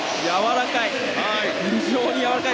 やわらかい。